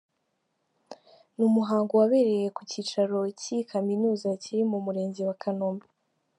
Ni umuhango wabereye ku kicaro cy'iyi kaminuza kiri mu murenge wa Kanombe.